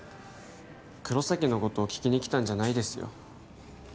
黒崎のことを聞きにきたんじゃないですよ